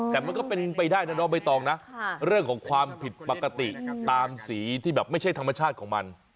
แต่มันก็เป็นไปได้นะน้องใบตองนะเรื่องของความผิดปกติตามสีที่แบบไม่ใช่ธรรมชาติของมัน